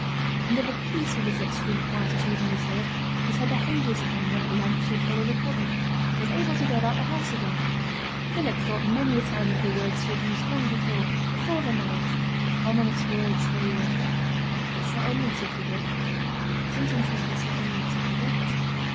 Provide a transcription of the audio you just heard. And of a piece with this extreme quietude and reserve was her behaviour to him when at length she had fully recovered, and was able to go about the house again. Philip thought many a time of the words she had used long before before their marriage. Ominous words they were. 'It's not in me to forgive; I sometimes think it's not in me to forget.'